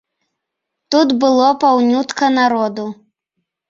Тут было паўнютка народу.